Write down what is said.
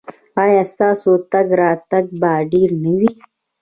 ایا ستاسو تګ راتګ به ډیر نه وي؟